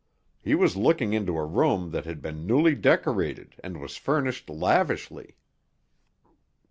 He was looking into a room that had been newly decorated and was furnished lavishly.